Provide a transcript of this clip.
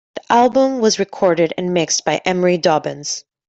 The album was recorded and mixed by Emery Dobyns.